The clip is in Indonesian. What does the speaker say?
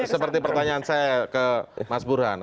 seperti pertanyaan saya ke mas burhan